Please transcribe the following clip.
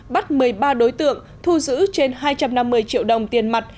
bắt một mươi ba đối tượng thu giữ trên hai trăm năm mươi triệu đồng tiền mặt